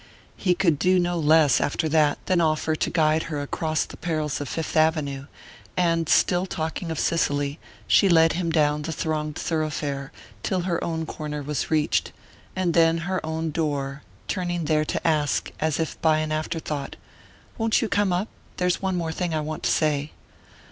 He could do no less, at that, than offer to guide her across the perils of Fifth Avenue; and still talking of Cicely, she led him down the thronged thoroughfare till her own corner was reached, and then her own door; turning there to ask, as if by an afterthought: "Won't you come up? There's one thing more I want to say."